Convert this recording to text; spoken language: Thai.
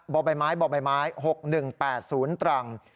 บ่อไปไม้๖๑๘ศูนย์ตรัง